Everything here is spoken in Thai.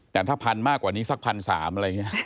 แต่ถ้า๑๐๐๐มากกว่านี้สัก๑๐๐๐๓อะไรแบบนี้